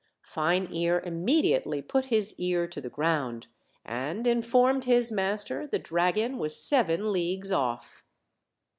Fine ear immediately put his ear to the ground, and informed his master the dragon was seven leagues off.